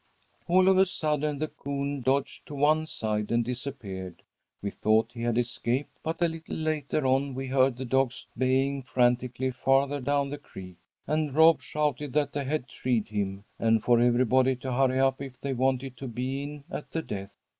"All of a sudden the coon dodged to one side and disappeared. We thought he had escaped, but a little later on we heard the dogs baying frantically farther down the creek, and Rob shouted that they had treed him, and for everybody to hurry up if they wanted to be in at the death.